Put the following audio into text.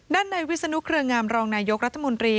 ด้านในวิศนุเครืองามรองนายกรัฐมนตรี